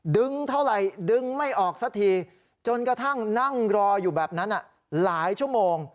ดึงเท่าไหร่ดึงไม่ออกสักทีจนกระทั่งนั่งรออยู่แบบนั้นหลายชั่วโมง